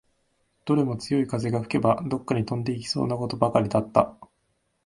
どれも強い風が吹けば、どっかに飛んでいきそうなことばかりだった